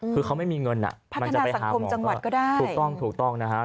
คือเขาไม่มีเงินน่ะมันจะไปหาหมอก็ถูกต้องถูกต้องนะฮะ